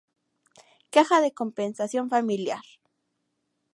Caja de Compensación Familiar